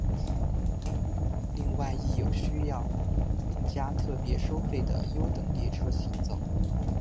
另外亦有需要另加特别收费的优等列车行走。